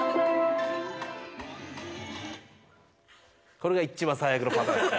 これが一番最悪のパターン。